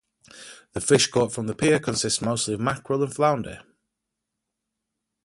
The fish caught from the pier consist mostly of mackerel and flounder.